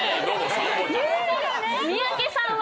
三宅さんは言う。